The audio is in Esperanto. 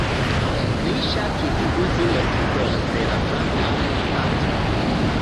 Li ŝatis uzi motivojn pri la franca renesanco.